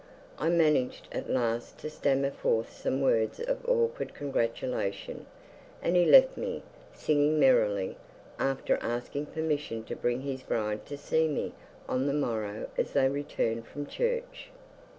I managed at last to stammer forth some words of awkward congratulation, and he left me, singing merrily, after asking permission to bring his bride to see me on the morrow as they returned from church.